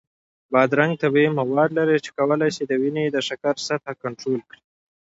بادرنګ طبیعي مواد لري چې کولی شي د وینې د شکر سطحه کنټرول کړي.